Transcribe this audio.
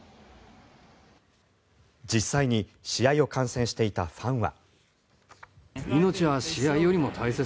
実際に試合を観戦していたファンは。